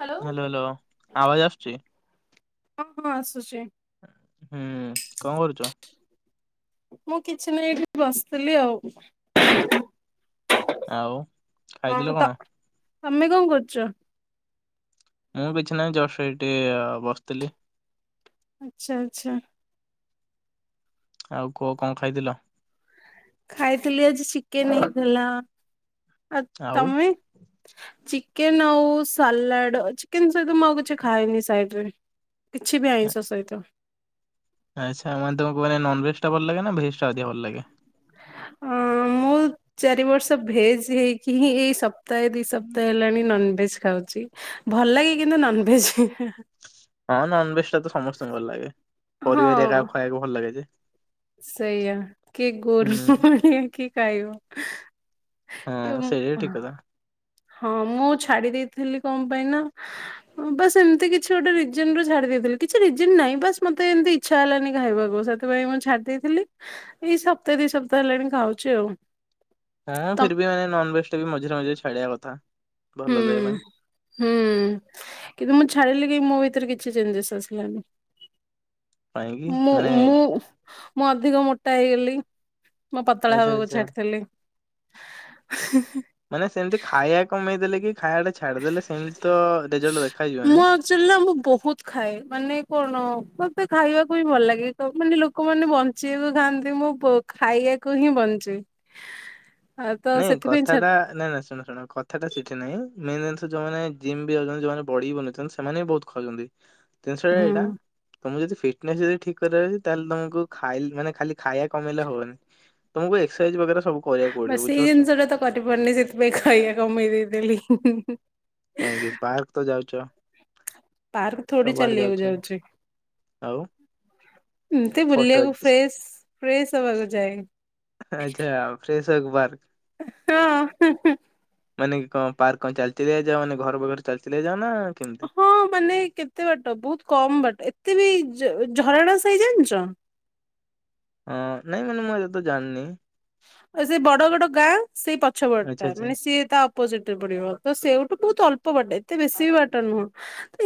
Hello. Hello hello. ଆବାଜ ଆସୁଛି। ଅଁ ହଁ ଆସୁଚି। ହୁଁ କଣ କରୁଚ। ମୁଁ କିଛି ନାଇଁ ଏଠି ବସିଥିଲି ଆଉ। ଆଉ। ଖାଇଥିଲେ ତ କଣ। ତମେ କଣ କରୁଚ? ମୁଁ କିଛି ନାହିଁ ଜଷ୍ଟ ଏଇ ଟିକେ ବସିଥିଲି। ଆଛା ଆଛା। ଆଉ କୁହ କଣ ଖାଇଥିଲ? ଖାଇଥିଲି ଆଜି ଚିକେନ୍ ହେଇଥିଲା। ଆ ଆଉ? ତମେ ଚି ଚିକେନ୍ ଆଉ ସାଲାଡ଼ ଚିକେନ ସହିତ ମୁଁ ଆଉ କିଛି ଖାଏନି ସାଇଡ଼ରେ। କିଛି ବି ଆଇଁଷ ସହିତ। ଏଟା ଭଲ ଲାଗେ ନା ଭେଜ୍ ଟା ଅଧିକ ଭଲ ଲାଗେ। ଅଁ ମୁଁ ଚାରି ବର୍ଷ ଭେଜ ହେଇକି ହିଁ ଏଇ ସ୍ ସପ୍ତାହେ ଦି ସପ୍ତାହେ ହେଲାଣି ନନଭେଜ ଖାଉଚି। ଭଲ ଲାଗେ କିନ୍ତୁ ନନଭେଜ ହା ହା ହଁ ନନଭେଜ ଟା ତ ସମସ୍ତଙ୍କୁ ଭଲ ଲାଗେ। ପରିବାରେ ହଁ। ଆରା ଖୁଆବାକୁ ଭଲ ଲାଗେ ଯେ ସେଇଆ କି ଗୋ ହୁଁ। ଖାଇବ ଏ ହଁ ମୁ ସେଇଟା ବି ଠିକ କଥା ହଁ ମୁଁ ଛାଡି ଦେଇଥିଲି କଣ ପାଇଁ ନା ବାସ୍ ଏମିତି କିଛି ଗୋଟେ ରିଜନ ରୁ ଛାଡି ଦେଇଥିଲି କିଛି ରିଜନ ନାହିଁ ବାସ୍ ମତେ ଏମିତି ଇଚ୍ଛା ହେଲାନି ଖାଇବାକୁ ସେଥିପାଇଁ ମୁଁ ଛା ଦେଇଥିଲି। ଏଇ ସପ୍ତାହେ ଦି ସପ୍ତାହ ହେଲାଣି ଖାଉଚି ଆଉ। ଆଁ ତମ ଫିରବି ଆ ନନ ଭେଜ ଟା ବି ମଝେରେ ମଝରେ ଛାଡ଼ିଆ କଥା। ଭଲ ହୁଁ ଦେହ ପାଇଁ ହୁଁ କିନ୍ତୁ ମୁଁ ଛାଡିଲି ଇ ମୋ ଭିତରେ କିଛି ଚେଞ୍ଜେସ୍ ଆସିଲାନି। କାହିଁକି ମୁଁ ମାନେ ମୁଁ ମୁଁ ଅଧିକ ମୋଟା ହେଇଗଲି। ମୁ ପତଳା ଆଚ୍ଛା ହବାକୁ ଆଚ୍ଛା ଛାଡିଥିଲି। ଆ ହାଁ ମାନେ ସେମତି ଖାଇଆ କମେଇଦେଲେ କି ଖାଇବା ଟା ଛାଡିଦେଲେ ସେମିତି ତ ରେଜଲ୍ଟ ଦେଖାଯିବନି। ମୁଁ ଆକ୍ଚୁଆଲି ନା ମୁଁ ବହୁତ ଖାଏ। ମାନେ କଣ? ମତେ ଖାଇବାକୁ ହିଁ ଭଲ ଲାଗେ। ତ ଅଛନ୍ତି ଲୋକମାନେ ବଞ୍ଚିବାକୁ ଖାଆନ୍ତି, ମୁଁ ପୁ ଖାଇଆକୁ ହିଁ ବଞ୍ଚେ। ଆଉ ତ ନାଇଁ ସେଥିପାଇଁ କଥାଟା, ଛାଡି ନାଇଁ ନାଇଁ ଶୁଣ ଶୁଣ। କଥାଟା ସିଠି ନୁହେଁ ମେନ୍ ଜିନିଷ ଯୋଉମାନେ ଜିମ୍ ବି ଯାଉଛନ୍ତି, ଯୋଉମାନେ ବଡ଼ି ବି ବନେଇଛନ୍ତି, ସେମାନେ ବି ବହୁତ ଖାଉଛନ୍ତି। ଜିନିଷ ଏୟା ହୁଁ ଏଇଟା ତମକୁ ଯଦି ଫିଟନେସ୍ ଯଦି ଠିକ୍ କରିଆର ଅଛି, ତାହେଲେ ତମକୁ ଖାଇଲ ମାନେ ଖାଲି ଖାଇଆ କମେଇଲେ ହବନି। ମୁଁ ବି ଏକ୍ସସାଇଜ଼ ବଗେରା ସବୁ କରିଆକୁ ପଡିବ। ବାସ୍ ବୁଝୁ ସେଇ ଜିନିଷଟା ତ କରିପାରୁନି, ସେଥିପାଇଁ ଖାଇଆ କମେଇ ଦେଇଥେଲି। [unintelligible] କାଇଁକି ପାର୍କ ତ ଯାଉଚ ପାର୍କ ଥୋଡି ଚାଲିଆକୁ ଯାଉଛି। ଆଉ ଏମତି ଫଟୋ ବୁଲିବାକୁ ଫ୍ରେଶ ଫ୍ରେଶ ହବାକୁ ଯାଏ। ଆଚ୍ଛା ଫ୍ରେଶ ୱାର୍କ ପାର୍କ ହଁ, ହିଁ ହିଁ। ମାନେ କି କଣ ପାର୍କ କଣ ଚାଲିଚି ଯେ ଯଉ ମାନେ ଘର ବର ଚାଲିଚାଲି ଯାଅ ନା? କେମିତି? ହଁ ମାନେ କେତେ ବାଟ ବହୁତ କମ ବାଟ। ଏ ତେବି ଜ ଝରଡା ସାହି ଜାଣିଚ? ହଁ ନାଇ ମାନେ ମୁଁ ଏ ତ ଯାଣିନି। ଆଉ ସେ ବଡ ବଡ ଗାଁ? ସେଇ ପଛ ପଟ ଆଚ୍ଛା ଟା, ଆଚ୍ଛା। ମାନେ ସିଏ ତା ଅପୋଜିଟ ରେ ପଡିବ ତ ସେଉ ବହୁତ ଅଳ୍ପ ବାଟ ଏତେ ବେଶୀ ବି ବାଟ ନୁହଁ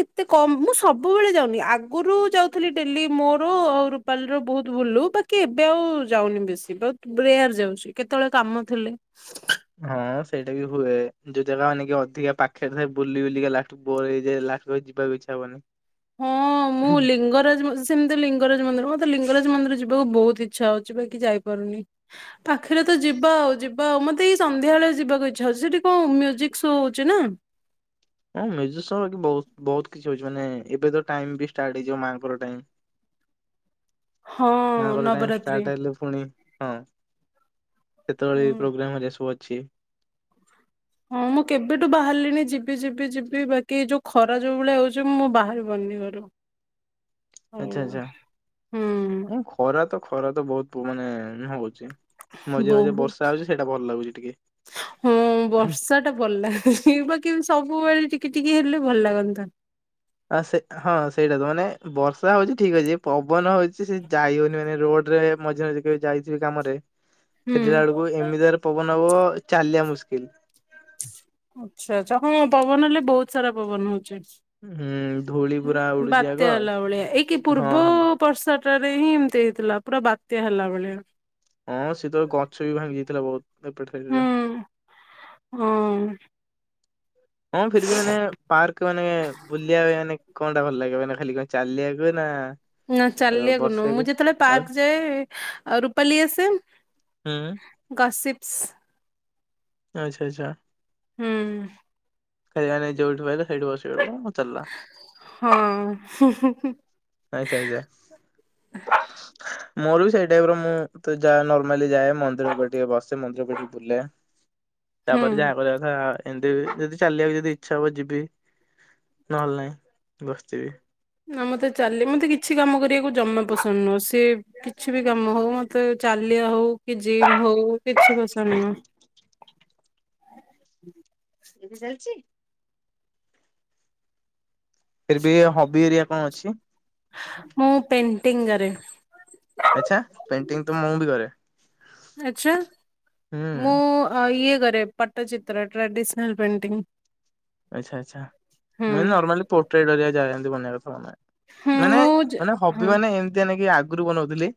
ଏତେ କମ ମୁଁ ସବୁବେଳେ ଯାଉନି ଆଗରୁ ଯାଉଥିଲି ଡେଲି ମୋର ଆଉ ରୁପାଲି ର ବହୁତ ବୁଲୁ ବାକି ଏବେ ଆଉ ଯାଉନି ବେଶୀ ବ ବେୟାର ଯାଉଛି କେତେବେଳେ କାମ ଥିଲେ। ହଁ ସେଇଟା ବି ହୁଏ ଯୋଉ ଜାଗା ମାନେ କି ଅଧିକା ପାଖରେ ବୁଲି ବୁଲିକା ଲାଷ୍ଟ କୁ ବୋର ହେଇଯାଏ ଲାଷ୍ଟ କୁ ଯିବାକୁ ଇଚ୍ଛା ହବନି। ହଁ ମୁଁ ଲିଙ୍ଗରାଜ ସେମିତି ଲିଙ୍ଗରାଜ ମନ୍ଦିର ମତେ ଲିଙ୍ଗରାଜ ମନ୍ଦିର ଯିବାକୁ ବହୁତ ଇଚ୍ଛା ହଉଚି ବାକି ଯାଇପାରୁନି, ପାଖରେ ତ ଯିବା ଆଉ ଯିବା ଆଉ ମତେ ଏଇ ସନ୍ଧ୍ୟା ବଳେ ଯିବାକୁ ଇଚ୍ଛା ହଉଚି। ସେଠି କଣ ମ୍ୟୁଜିକ ଶୋ ହଉଚି ନା? ହଁ ମ୍ୟୁଜିକ ଶୋ ବାକି ବହୁତ ବହୁତ କିଛି ହଉଛି ମାନେ ଏବେ ତ ଟାଇମ ବି ଷ୍ଟାର୍ଟ ହେଇଯିବ ମାଙ୍କର ଟାଇମ ହଁ ମାଙ୍କର ଟାଇମ ନବରାତ୍ରି ଷ୍ଟାର୍ଟ ହେଲେ ପୁଣି ହଁ ସେତେବେଳେ ହୁଁ। ପ୍ରୋଗ୍ରାମ ହୁଏ [inaudible] ଛି ହଁ ମୁଁ କେବେଠୁ ବାହାରିଲିଣି ଯିବି ଯିବି ଯିବି ବାକି ଯୋଉ ଖରା ଯୋଉ ଭଳିଆ ହଉଛି ମୁଁ ବାହାରିପାରୁନି ଘରୁ ଆଉ ଆଚ୍ଛା ଆଚ୍ଛା ମୁଁ ହୁଁ ଖରା ତ ଖରା ତ ବହୁତ ମାନେ ହ ହଉଛି। ମଝିରେ ମଝିରେ ବର୍ଷା ବହୁତ ହଉଛି ସେଇଟା ଭଲ ଲାଗୁଛି ଟିକେ। ହଁ ବର୍ଷା ଟା ଭଲ ଲାଗୁଛି ବାକି ସବୁବେଳେ ଟିକେ ଟିକେ ହେଲେ ଭଲ ଲାଗନ୍ତା। ଆ ସେ ହଁ ସେଇଟା ତ ମାନେ ବର୍ଷା ହଉଛି ଠିକ ଅଛି ପବନ ହଉଛି ସେ ଯାଇ ହଉନି ମାନେ ରୋଡ ରେ ମଝି ମଝି କେବେ ଯାଇଥିବେ କାମ ରେ ହୁଁ ଫେରିଲା ବେଳକୁ ଏମିତିରେ ପବନ ହବ ଚାଲିବା ମୁସ୍କିଲ [inaudible] ଆଚ୍ଛା ଆଚ୍ଛା ହଁ ପବନ ହେଲେ ବହୁତ ସାରା ପବନ ହଉଛି। ହୁଁ ଧୂଳି ପୁରା ଉଡୁଛି ଆଗ ବାତ୍ୟା ହେଲା ଭଳିଆ ଏଇ କିି ହଁ ପୂର୍ବ ହଁ। ବର୍ଷା ରେ ହିଁ ଏମିତି ହେଇଥିଲା ପୁରା ବାତ୍ୟା ହେଲା ଭଳିଆ ହଁ ସେତେବେଳେ ଗଛ ବି ଭାଙ୍ଗି ଯାଇଥିଲା ବହୁତ ଏପଟେ ହୁଁ [inaudible] ହଁ ଫିର ବି ମାନେ ପାର୍କ ମାନେ ବୁଲିବା ମାନେ କଣ ଟା ଭଲ ଲାଗିବ ନା ଖାଲି କଣ ଚାଲିବାକୁ ନା ନା ଚାଲିବାକୁ ନୁହ ମୁଁ ବସିବାକୁ ଯେତେବେଳେ ଆଉ ପାର୍କ ଯାଏ ରୁପାଲି ଆସେ ହୁଁ ଗସିପ ଶ [inaudible] ଆଚ୍ଛା ଆଚ୍ଛା ହୁଁ ଖାଇବାରେ ଯଉଠୁ ହେଲେ ସେଇଠୁ ବସିବ। ହଁ ଆଚ୍ଛା ଆଚ୍ଛା ମୋର ବି ସେଇ ଟାଇପ ର ମୁଁ ତ ଯା ନର୍ମାଲି ଯାଏ ମନ୍ଦିରକୁ ଟିକେ ବସେ ମନ୍ଦିରକୁ ଟିକେ ବୁଲେ ତାପରେ ହୁଁ ଯାହା ହେବା କଥା ଏମତି ବି ଯଦି ଚାଲିବାକୁ ଯଦି ଇଚ୍ଛା ହବ ଯିବି ନହେଲେ ନାଇଁ ବସିିଥିବି। ନା ମୋତେ ଚାଲି ମୋତେ କିଛି କାମ କରିବାକୁ ଜମା ପସନ୍ଦ ନୁହଁ ସେ କିଛି ବି କାମ ହଉ ମୋତେ ଚାଲବା ହଉ କି ଜିମ ହଉ କିଛି ପସନ୍ଦ ନୁହଁ। [inaudible] ଏବେ ଯାଇଛି। ଫିର ବି ହବି ଏରିଆ କଣ ଅଛି ମୁଁ ପେଣ୍ଟିଙ୍ଗ କରେ ଆଛା ପେଣ୍ଟିଙ୍ଗ ତ ମୁଁ ବି କରେ ଆଚ୍ଛା ହୁଁ ରେ ପଟ୍ଟଚିତ୍ର ଟ୍ରେଡିସନାଲ ପେଣ୍ଟିଂ ଆଛା ଆଚ୍ଛା ହୁଁ ମୁ ଏଇ ନର୍ମାଲି ପୋର୍ଟ୍ରଡ ଯାଏଁ ଯାଏ ବନେଇବା କଥା ଆମେ ହୁଁ ମାନେ ମୁଁ ଯ ମାନେ ହବି ହଁ ମାନେ ଏମତିକା ନେଇକି ଆ ଆଗରୁ ବନଉଥିଲି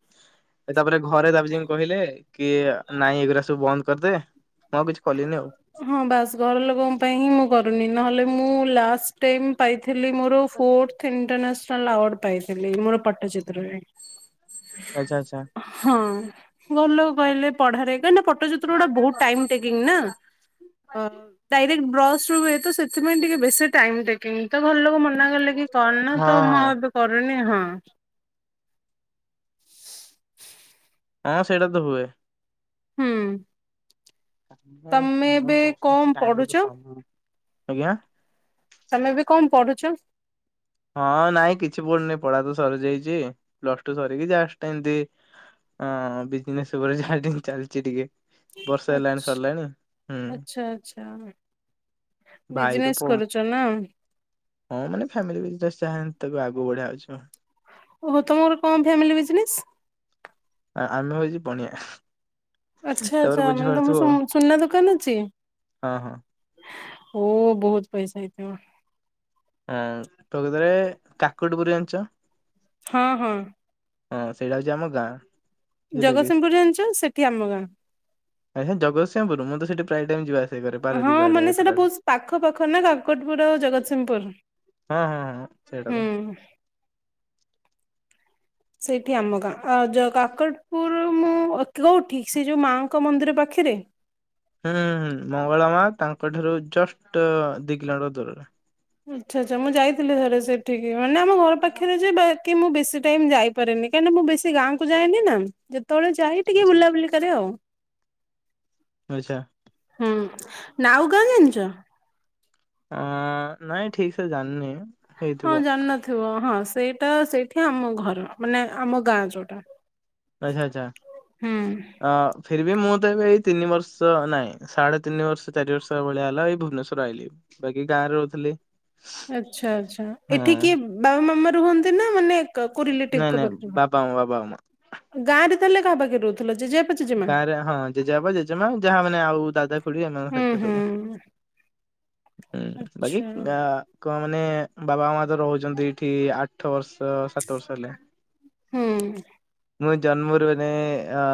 ତାପରେ ଘରେ ଦାବ ଯେମିତି କହିଲେ କି ନାଇଁ ଏଗୁଡା ସବୁ ବନ୍ଦ କରଦେବେ ହଁ ବାସ ଘର ଲୋକଙ୍କ ପାଇଁ ହିଁ ମୁଁ କରୁନି ନହେଲେ ମୁଁ ଲାଷ୍ଟ ଟାଇମ ପାଇ ଥିଲି ମୋର ଫୋର୍ଥ ଇଣ୍ଟନାସ ଆୱାର୍ଡ଼ ପାଇଥିଲି ମୋର ପଟ୍ଟଚିତ୍ରରେ ଆଚ୍ଛା ଆଚ୍ଛା ହଁ ଭଲ କହିଲେ ପଢାରେ କାଇଁନା ପଟ୍ଟ ଚିତ୍ର ଗୁଡାକ ବହୁତ ଟେକିଂ ନା ଡାଇରେକ୍ଟ ବ୍ରସ ଶୁଏ ତ ସେଥିପାଇଁ ଟିକେ ବେଶୀ ଟାଇମ ଟେକିଂ ତ ଭଲ ଲୋକ ମ ଗଲେ କି କରନା ନା ହଁ ତ ମୁଁ ଆଉ ଏବେ କରୁନି ହଁ ହଁ ସେଇଟା ତ ହୁଏ ହୁଁ ତମେ କମ ଏବେ ଦଷ କଣ ଟାଇମ ବି ପଢୁଛ? ତ ପାଉନି ଆଜ୍ଞା ତମେ ବି କଣ ପଢୁଛ ହଁ ନାଇଁ କିଛି ପଡୁନି ପଢା ତ ସରିଯାଇଛି ପ୍ଲସ ଟୁ ସରିକି ଯା ଏମିତି ବିଜନେସ ଉପରେ ଯାହା ଚାଲିଛି ଟିକେ ବର୍ଷା ହେଲାଣି ସରିଲାଣି ହୁଁ ଆଚ୍ଛା ଆଚ୍ଛା ଭାଇ ତ ବିଜନେସ କରୁଛ ନା। ହଁ ମାନେ ଫାମିଲି ଚା ତାକୁ ଆଗକୁ ବଢ଼ିବା ଓ ତମର କଣ ଫାମିଲି ବିଯିନେସ ଆମେ ହଉଛି ବଣିଆ ଆଚ୍ଛା ଆଚ୍ଛା ମାନେ ତମର ସୁନ୍ ସୁନା ଦୋକାନ ଅଛି ଆଉ ହଁ ଓ ବହୁତ ପଇସା ହେଇଥିବ ହଁ ତ କେତରେ କାକୁଟ ବୁରିଆଞ୍ଚ ହଁ ହଁ ହଁ ସେଇଟା ହଉଛି ଆମ ଗାଁ ବୁଝିଲ କି ଜଗତସିଂହପୁର ଜାଣିଛ ସେଠି ଆମ ଗାଁ ଆଚ୍ଛା ଜଗତସିଂହପୁର ମୁଁ ତ ସେଠି ପ୍ରାୟ ଟାଇମ ଯିବା ଆସିବା କରେ ହଁ ପାରାଦୀପ ଆଡେ ମାନେ ଏପଟ ସେଟା ଆଡେ ବହୁସ ପାଖ ପାଖ ନା କାକଟପୁର ଆଉ ଜଗତସିଂହ ଉପର ହଁ ହଁ ହଁ ସେଇଟା ତ ହୁଁ ସେଇଠି ଆମ ଗାଁ ଆ ଯ କାକଟପୁର ମୁଁ ଅ କୋଉଠି ସେ ଯୋଉ ମାଙ୍କ ମନ୍ଦିର ପାଖରେ ହୁଁ- ହୁଁ ମଙ୍ଗଳା ମା ତାଙ୍କ ଠାରୁ ଜଷ୍ଟ ଦି କିଲୋମିଟର ଦୂରରେ ଉଁଚ୍ଛା ଆଚ୍ଛା ମୁଁ ଯାଇଥିଲି ଥରେ ସେଠିକି ଏ ମାନେ ଆମ ଘର ପାଖରେ ଯେ ବାକି ମୁଁ ବେଶୀ ଟାଇମ୍ ଯାଇପାରେନି କାହିଁକ ନା ମୁଁ ବେଶୀ ଗାଁକୁ ଯାଏନି ନା ଜ ତଳେ ଯାଇ ଟିକେ ଆଚ୍ଛା ବୁଲାବୁଲି କରେ ଆଉ ଆଛା ଉଁ ନାଉ କା ଜାଣିଚ? ଆଁ ନାଇଁ ଠିକ୍ ସେ ଜାନିନି ହଁ ଜାଣିନଥିବ ହଁ ସ୍ ସେଇଟା ସେଇଠି ଆମ ଘର ମାନେ ଆମ ଗାଁ ଯୋଉଟା ଆଚ୍ଛା ଆଚ୍ଛା ହୁଁ। ଆ ଫେର୍ ବି ମୁ ତ ଏବେ ଏଇ ତିନି ବର୍ଷ ନାଇଁ ସାଢେ ତିନି ବର୍ଷ ଚାରି ବର୍ଷ ଭଳିଆ ହେଲା ଏଇ ଭୁବନେଶର ଆଇଲି ବାକି ଗାଁରେ ରହୁଥିଲି। ଆଚ୍ଛା ଆଚ୍ଛା ହଁ ଏଠି କିଏ ବାବା ମାମା ରୁହନ୍ତି ନା ମାନେ ନାଇଁ କାକୁରିଲେଟିପକ ନାଇଁ ପାଖରୁ ବାପା ମା ବାପା ମା। ଗାଁରେ ତାହେଲେ କା ପାଖେ ରହୁଥ୍ ଗାଁ ରେ ହଁ ଜେଜେବାପା ଜେଜେମା ଯାହା ମାନେ ଆଉ ଦାଦା ଖୁଡି ଏମାନେ ହୁଁ ଏତେ ହୁଁ ସବୁ ହୁଁ ବାକି ଆଚ୍ଛା ଅ କଣ ମାନେ ବାବା ମା ତ ରହୁଛନ୍ତି ଏଠି ଆଠ ବର୍ଷ ର ସାତ ବର୍ଷ ହେଲା ହୁଁ ମୁଁ ଜନ୍ମୁରୁ ବନେ ଅଁ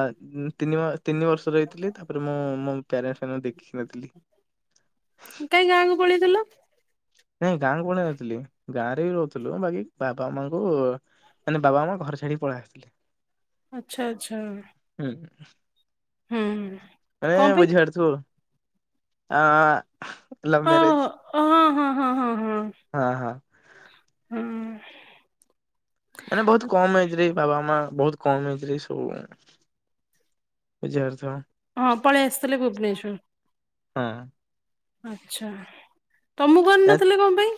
ଉଁ ତିନି ମା ତିନି ବର୍ଷ ରହିଥିଲି ତାପରେ ମୁଁ ମୋ କ୍ୟାର ଫେନା ଦେଖି ନଥିଲି ଜେଲୋ ନାଇଁ ଗାଁ କଣ ନଥିଲି ଗାଁ ରେ ବି ରହୁଥିଲୁ ବାକି ବାବା ମାଙ୍କୁ ମାନେ ବାବା ମା ଘର ଛାଡିକି ପଳେଇ ଆସିଲେ। ଆଛା ଆଛା [inaudible] କଣ ଏଇୟା ପାଇଁ ବୁଝିପାରୁଥିବୁ ଅ ଅ ଓହୋ ଓ ହଁ ହଁ ହଁ ହଁ ହଁ ଅ ହଁ ହୁଁ ମାନେ ବହୁତ କମ ଏଇଥିରେ ବାବା ମାମା ବହୁତ କମ୍ ଏଜ୍ ରେ ବି ସବୁବେଳେ ବୁଝିପାରୁଥିବୁ ହଁ ପଳେଇ ଆସିଥିଲେ ଭୁବନେଶ୍ଵର ହଁ ଆଚ୍ଛା ତମକୁ ଏ କରିନଥିଲେ କଣ ପାଇଁ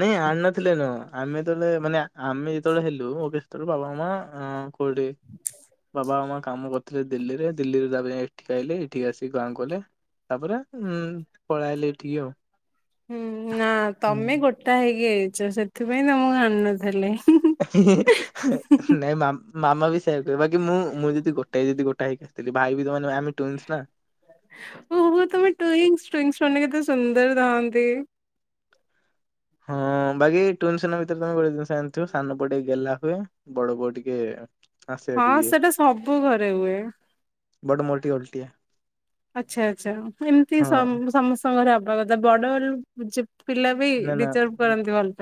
ନାଇଁ ଆଣି ନଥିଲେ ନୁହଁ ଆମେ ଯେତେବେଳେ ମାନେ ଆମେ ଯେତେବେଳେ ହେଲୁ ସେତେବେଳ କୁ ବାବା ମାମା ସ୍କୁଲ ଠିକ୍ ବାବା ମାମା କାମ କରିଥିଲେ ଦିଲ୍ଲୀରେ ଦିଲ୍ଲୀରେ ତାପ ଏଠିକି ଆଇଲେ ଏଠିକି ଆସିିକି ଗାଁକୁ ଗଲେ ତାପରେ ଉଁ ପଳାଇଲେ ଏଠିକି ଆଉ ହୁଁ ନା ହୁଁ। ତମେ ଗୋଟା ହେଇ କିଣିଛ ସେଥିପାଇଁ ତମକୁ ଆଣିନଥିଲେ ନାଇ ମାମା ମାମା ବି ସେମିତି କି ମୁଁ ମୁଁ ଯଦି ଗୋଟାଏ ଯଦି ଗୋଟାଏ ହେଇଥାନ୍ତି। ଭାଇ ବି ମାନେ ଆମେ ଟୁଇନ୍ସ ନା ଓ ହୋ ତମେ ଟ୍ୱିନସ୍ ଟ୍ବିନସ୍ ମାନେ କେତେ ସୁନ୍ଦର ସୁନ୍ଦର ରହନ୍ତି। ହଁ ବାକି ଟ୍ବିନସ୍ ମାନଙ୍କ ଭିତରେ ତମେ ଗୋଟେ ଜିନିଷ ଜାଣିଥିବ ସାନ ପୁଅ ଟିକେ ଗେଲ୍ଲା ହୁଏ ବଡ ପୁଅ ଟିକେ ଆସେ ହଁ ଭାରି ଇଏ ସେଟା ସବୁ ଘରେ ହୁଏ। ବଟ ମୋର ଟିକେ ଅଲଟିଆ ଆଚ୍ଛା ଆଚ୍ଛା ପୁଣି ଏମିତି ହଁ ସମସ୍ତ ଘରେ କହିବା କଥା ବଡ଼ରୁ ଯିଏ ନା ନା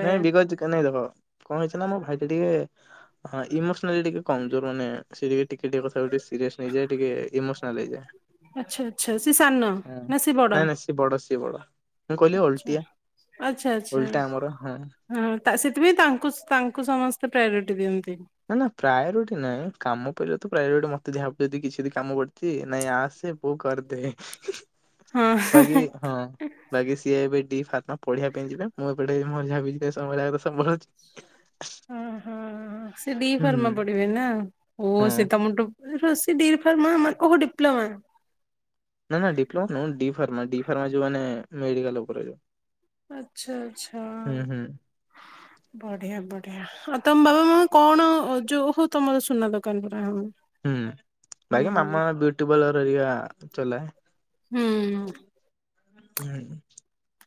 ନାଇଁ ଚିକଣିଆ ଲୋକ କଣ ହେଇଛି ନା ମୋ ଭାଇଟା ଟିକେ ହଁ ଇମୋସନାଲି ଟିକେ କମଜୋର ମାନେଁ ସେ ଟିକେ ଟିକେ ଟିକେ କଥା ଟିକେ ସିରିୟସ୍ ନେଇଯାଏ ଟିକେ ଇମୋସନାଲ ହେଇଯାଏ। ଆଚ୍ଛା ଆଚ୍ଛା ସିଏ ସାନ ହଁ ନା ସେ ବଡ ନାଇଁ ନାଇଁ ସିଏ ବଡ ସିଏ ବଡ ମୁଁ କହିଲି ଆଚ୍ଛା ଅଲଟିଆ ଆଚ୍ଛା ଆଚ୍ଛା ଓଲଟା ଆମର ହଁ। ହୁଁ ସେଥିପାଇଁ ତାଙ୍କୁ ତାଙ୍କୁ ସମସ୍ତେ ପ୍ରାୟୋରିଟି ଦିଅନ୍ତି। ନା ନା ପ୍ରାୟୋରିଟି ନାହିଁ କାମ କରିବ ତ ପ୍ରାୟୋରିଟି ମ ମତେ ଯାହାକୁ ଯଦି କିଛି ଯଦି କାମ କରୁଚି ନାଇଁ ଆସେ ବୋ କରିଦେ। ହଁ ବାକି ହଁ ବାକି ସିଏ ଏବେ ଡି ଫାର୍ମା ପଢ଼ିବା ପାଇଁ ଯିବେ। ମୁଁ ଏ ଏବେ ଟିଏ ମଝିଆ ପି ଯିଏ ସମ୍ଭାଳିବ ଆକୁ ସମ୍ଭାଳୁ। ହଁ ହଁ ସେ ଡି ଫର୍ମା ପଢ଼ିବେ ନାଁ ଓ ହଁ ସେ ତମଠୁ ଏଇଥର ସେ ଡିଫାର୍ମା ମା ଓହ ଡିପ୍ଲୋମା ନାଁ ନାଁ ଡିପ୍ଲମା ଉଁ ଡି ଫାର୍ମା ଡି ଫାର୍ମା ଯୋଉ ମାନେ ମେଡି଼କଲ ଉପରେ ଆଚ୍ଛା ଆଚ୍ଛା ହୁଁ ହୁଁ ବଢ଼ିଆ ବ ଢ଼ିଆ। ତମ ବାବା ମାମା କଣ ଯୋଉ ହଉ ତମର ସ୍ ସୁନା ଦୋକାନ ପରା ହୁଁ। ହୁଁ ବାଇଗା ମାମା ବ୍ୟୁଟି ପାର୍ଲର ହରିକା ଚଲାଏ। ହୁଁ। ହୁଁ।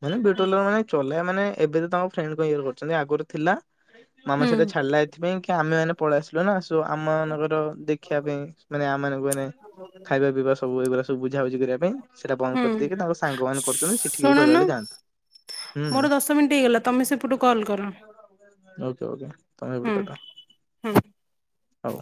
ମାନେ ବ୍ୟୁଟିପାର୍ଲର ମାନେ ଚ ଥିଲା ମାନେ ଏବେ ତ ତାଙ୍କ ଫ୍ରେଣ୍ଡଙ୍କ ଇଏରୁ କରୁଚନ୍ତି ଆଗୁରୁ ଥିଲା। ମାମା ସେଇଟା ହୁଁ। ଛାଡ଼ିଲା ଏଇଥିପାଇଁ କି ଆମେମାନେ ପଳେଇ ଆସିଲୁ ନାଁ। ସୋ ଆମମାନଙ୍କର ଦେଖିବା ପାଇଁ ମାନେ ଆମମାନାନଙ୍କୁ ମାନେ ଖାଇବା ପିଇବା ସବୁ ଏଇଗୁରା ସବୁ ବୁଝା ବୁଝି କରିବା ପାଇଁ ସେଟା ବନ୍ଦ ହୁଁ କରିଦେଇକି ତାଙ୍କ ସାଙ୍ଗମାନେ କରୁଚନ୍ତି ସେଠିକି ବେଳେ ଶୁଣୁନ ବଳେ ଯାଆନ୍ତି। ହୁଁ ମୋର ଦଶ ମିନିଟ୍ ହେଇଗଲା ତମେ ସେପଟୁ କଲ୍ କର ଓକେ ଓକେ ତମେ ଏପଟୁ ହୁଁ କାଟ। ହୁଁ। ହଉ।